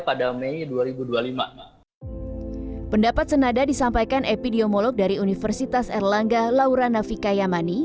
pendapat senada disampaikan epidemiolog dari universitas erlangga laura navika yamani